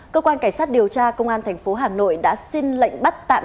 cơ quan cảnh sát điều tra công an tp hà nội đã xin lệnh bắt tạm